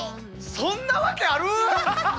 そんなわけある？